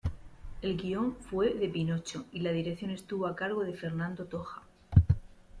El guion fue de "Pinocho" y la dirección estuvo a cargo de Fernando Toja.